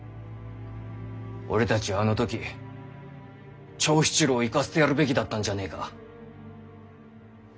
俺たちはあの時長七郎を行かせてやるべきだったんじゃねえか。